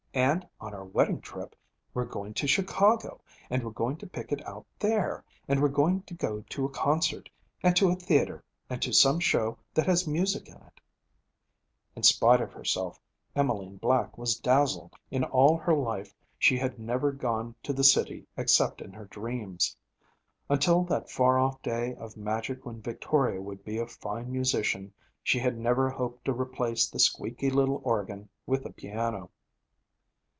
And on our wedding trip we're going to Chicago, and we're going to pick it out there, and we're going to a concert and to a theatre and to some show that has music in it.' In spite of herself, Emmeline Black was dazzled. In all her life she never had gone to the city except in her dreams. Until that far off day of magic when Victoria should be a fine musician, she had never hoped to replace the squeaky little organ with a piano.